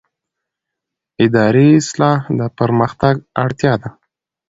اداري اصلاح د پرمختګ اړتیا ده